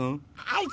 はい。